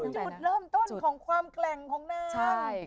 จุดเริ่มต้นของความแกร่งของนาง